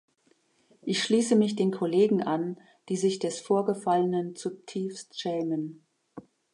Ich schließe mich den Kollegen an, die sich des Vorgefallenen zutiefst schämen.